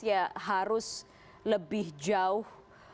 ya harus lebih jauh